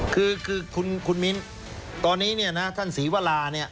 คือคุณมิ้นตอนนี้เนี่ยนะท่านศรีวราเนี่ย